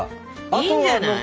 いいんじゃない？